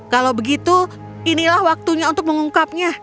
kalau begitu inilah waktunya untuk mengungkapnya